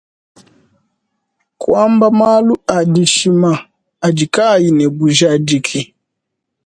Kuamba malu adishima adi kaayi ne bujadiki.